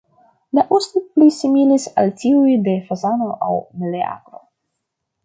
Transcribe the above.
La ostoj pli similis al tiuj de fazano aŭ meleagro.